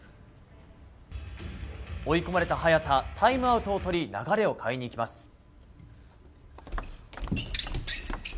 追い込まれた早田タイムアウトを取り流れを変えにいきます。